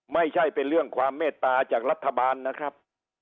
ไม่ใช่เป็นเรื่องความเมตตาจากรัฐบาลนะครับ